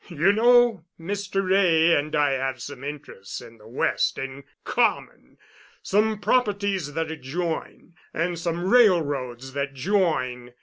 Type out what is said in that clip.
"You know Mr. Wray and I have some interests in the West in common—some properties that adjoin, and some railroads that join.